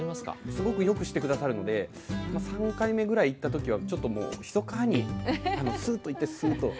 すごくよくしてくださるので３回目ぐらい行った時はちょっともうひそかにすっと行ってすっと。